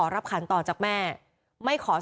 อาการชัดเลยนะคะหมอปลา